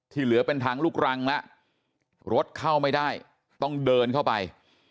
เหลือเป็นทางลูกรังแล้วรถเข้าไม่ได้ต้องเดินเข้าไป